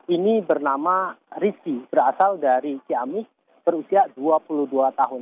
ini bernama rizki berasal dari ciamis berusia dua puluh dua tahun